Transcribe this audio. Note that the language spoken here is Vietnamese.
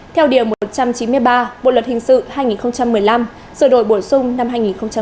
theo điều một trăm chín mươi ba bộ luật hình sự hai nghìn một mươi năm sửa đổi bổ sung năm hai nghìn một mươi bảy